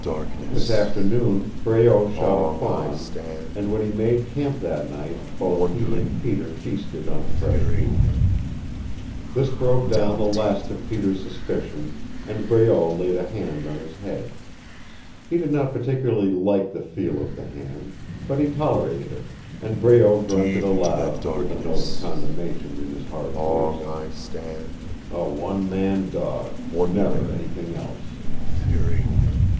This afternoon Breault shot a fawn, and when he made camp that night both he and Peter feasted on fresh meat. This broke down the last of Peter's suspicion, and Breault laid a hand on his head. He did not particularly like the feel of the hand, but he tolerated it, and Breault grunted aloud, with a note of commendation in his hard voice. "A one man dog never anything else."